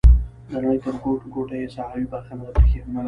د نړۍ تر ګوټ ګوټه یې ساحوي برخه نه ده پریښې.